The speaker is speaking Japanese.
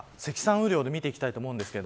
雨量で見ていきたいと思います。